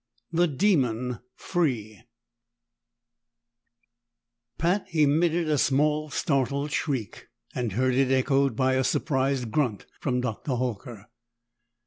30 The Demon Free Pat emitted a small, startled shriek, and heard it echoed by a surprised grunt from Dr. Horker.